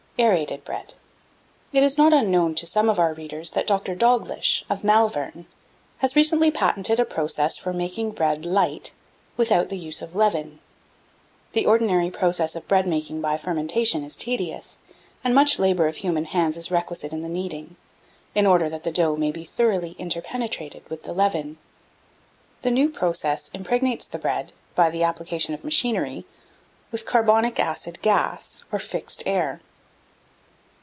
1679. AERATED BREAD. It is not unknown to some of our readers that Dr. Dauglish, of Malvern, has recently patented a process for making bread "light" without the use of leaven. The ordinary process of bread making by fermentation is tedious, and much labour of human hands is requisite in the kneading, in order that the dough may be thoroughly interpenetrated with the leaven. The new process impregnates the bread, by the application of machinery, with carbonic acid gas, or fixed air.